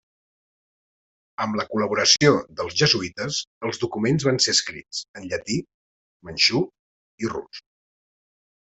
Amb la col·laboració dels jesuïtes els documents van ser escrits en llatí, manxú i rus.